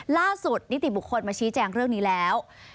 ล่าสุดนิติบุคคลมาชี้แจงเรื่องนี้แล้ว